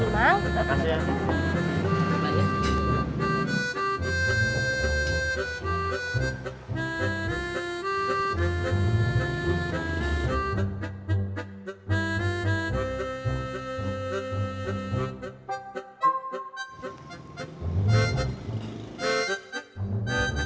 terima kasih ya